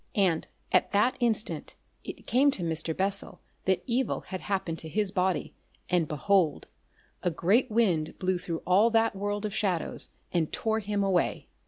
And at that instant it came to Mr. Bessel that evil had happened to his body, and behold! a great wind blew through all that world of shadows and tore him away.